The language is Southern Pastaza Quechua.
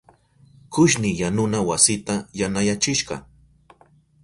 Kushni yanuna wasita yanayachishka.